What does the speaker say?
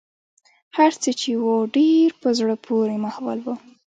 هرڅه چې و ډېر په زړه پورې ماحول و.